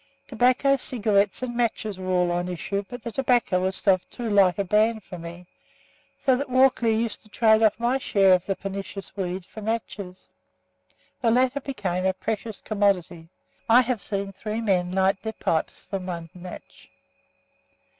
Tobacco, cigarettes and matches were on issue, but the tobacco was of too light a brand for me, so that Walkley used to trade off my share of the pernicious weed for matches. The latter became a precious commodity. I have seen three men light their pipes from one match.